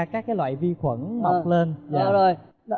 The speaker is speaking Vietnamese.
các cái loại vi khuẩn mọc lên